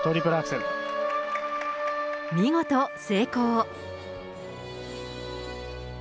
見事、成功。